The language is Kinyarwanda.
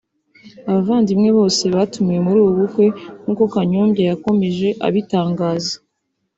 abavandimwe bose batumiwe muri ubu bukwe nkuko Kanyombya yakomeje abitangaza